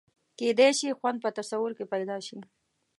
کېدای شي خوند په تصور کې پیدا شي.